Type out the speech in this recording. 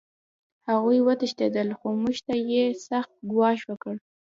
هغوی وتښتېدل خو موږ ته یې سخت ګواښ وکړ